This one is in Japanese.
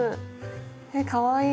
えっかわいい。